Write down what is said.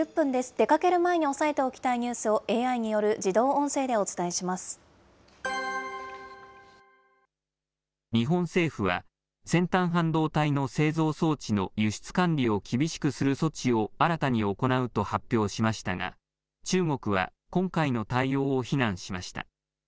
出かける前に押さえておきたいニュースをＡＩによる自動音声でお日本政府は、先端半導体の製造装置の輸出管理を厳しくする措置を新たに行うと発表しましたが、中国は今回の対応を非難しました。